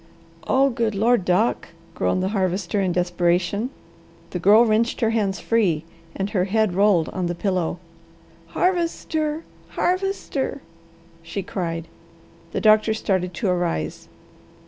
"Oh good Lord, Doc!" groaned the Harvester in desperation. The Girl wrenched her hands free and her head rolled on the pillow. "Harvester! Harvester!" she cried. The doctor started to arise.